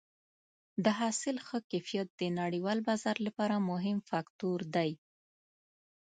د حاصل ښه کیفیت د نړیوال بازار لپاره مهم فاکتور دی.